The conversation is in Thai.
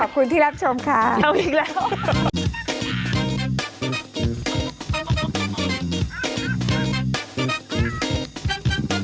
ขอบคุณที่รับชมค่ะ